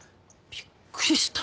びっくりした。